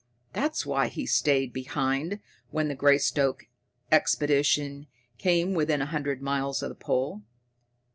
That's why he stayed behind when the Greystoke Expedition came within a hundred miles of the pole.